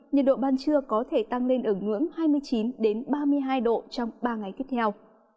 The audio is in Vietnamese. nhiệt độ ban trưa có thể tăng lên ở ngưỡng hai mươi chín ba mươi hai độ trong ba ngày tiếp theo